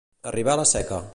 Arribar la Seca.